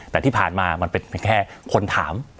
แต่ที่ผ่านมามันเป็นแค่คนถาม